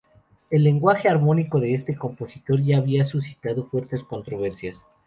El lenguaje armónico de este compositor ya había suscitado fuertes controversias.